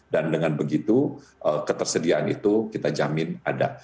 dengan begitu ketersediaan itu kita jamin ada